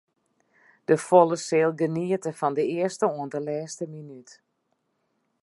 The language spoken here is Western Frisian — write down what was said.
De folle seal geniete fan de earste oant de lêste minút.